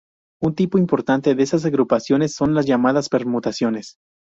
Un tipo importante de esas agrupaciones son las llamadas permutaciones.